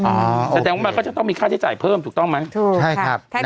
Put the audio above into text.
อ๋อโอเคแสดงมาก็จะต้องมีค่าใช้จ่ายเพิ่มถูกต้องไหมถูกครับใช่ครับ